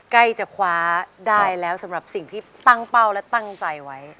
ใกล้จะคว้าได้แล้วสำหรับสิ่งที่ตั้งเป้าและตั้งใจไว้